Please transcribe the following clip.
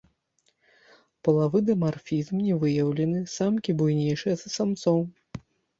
Палавы дымарфізм не выяўлены, самкі буйнейшыя за самцоў.